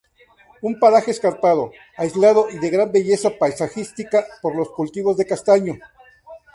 Un paraje escarpado, aislado y de gran belleza paisajística por los cultivos de castaño.